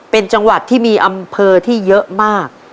เป็นจังหวัดที่มีอำเภอที่เยอะมาก